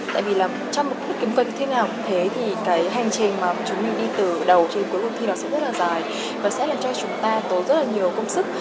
tại vì trong một cuộc thi thế nào cũng thế thì hành trình chúng mình đi từ đầu đến cuối cuộc thi sẽ rất là dài và sẽ làm cho chúng ta tốn rất nhiều công sức